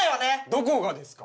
どこがですか？